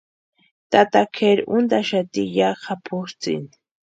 Tata kʼeri úntaxati ya japutsʼïni.